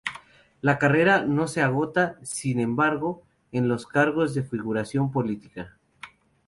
La carrera no se agota, sin embargo, en los cargos de figuración política.